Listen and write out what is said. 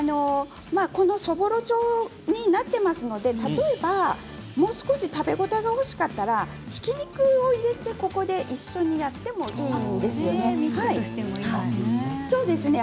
このそぼろ状になっていますので例えば、もう少し食べ応えが欲しかったらひき肉を入れてここで一緒にやってもミックスしてもいいですね。